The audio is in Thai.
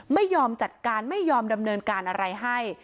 ไม่ยอมจัดการไม่ยอมดำเนินการอะไรให้